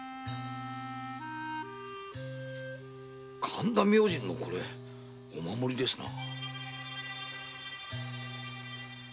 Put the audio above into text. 神田明神のお守りですな。